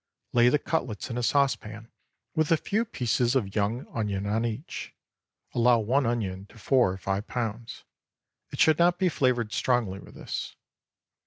Lay the cutlets in a saucepan, with a few pieces of young onion on each. Allow one onion to four or five pounds. It should not be flavored strongly with this.